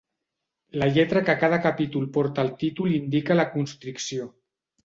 La lletra que cada capítol porta al títol indica la constricció.